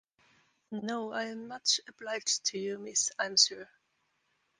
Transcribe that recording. No, I am much obliged to you, miss, I'm sure.